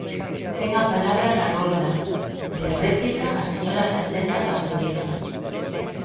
Ten a palabra na rolda de réplica a señora Castenda Pastoriza.